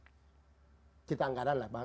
cerita anggaran lah